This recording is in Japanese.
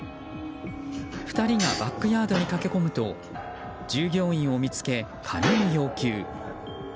２人がバックヤードに駆け込むと従業員を見つけ、金を要求。